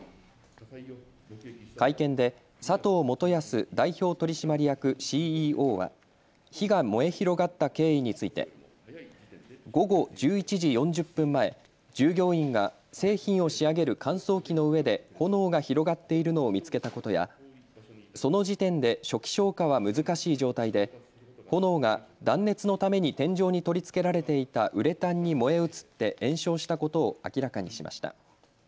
会見で佐藤元保代表取締役ＣＥＯは火が燃え広がった経緯について午後１１時４０分前、従業員が製品を仕上げる乾燥機の上で炎が広がっているのを見つけたことやその時点で初期消火は難しい状態で炎が断熱のために天井に取り付けられていたウレタンに燃え移って延焼したことを明らかにしました。